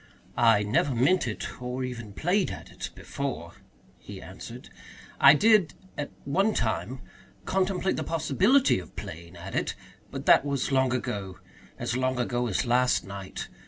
"I never meant it or even played at it before," he answered. "I did at one time contemplate the possibility of playing at it. But that was long ago as long ago as last night.